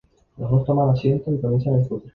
Los dos toman asiento y comienzan a discutir.